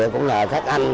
cũng là các anh